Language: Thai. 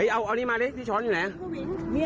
เอานี่มาเลยที่ช้อนอยู่ไหน